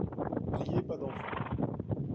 Marié pas d’enfants.